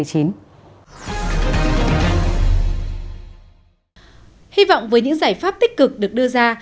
hy vọng với những giải pháp tích cực được đưa ra